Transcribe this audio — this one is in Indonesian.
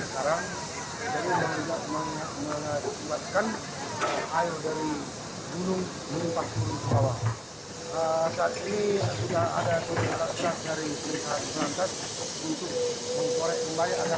badan penanggulangan bencana daerah dan badan penanggulangan bencana daerah